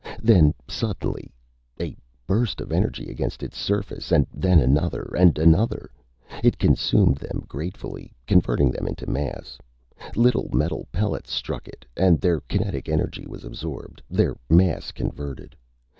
Then suddenly A burst of energy against its surface, and then another, and another. It consumed them gratefully, converting them into mass. Little metal pellets struck it, and their kinetic energy was absorbed, their mass converted.